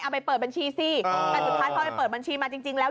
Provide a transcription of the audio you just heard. ไปเปิดบัญชีสิแต่สุดท้ายพอไปเปิดบัญชีมาจริงแล้ว